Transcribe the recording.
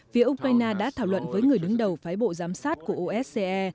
phía ukraine đã thảo luận với người đứng đầu phái bộ giám sát của osce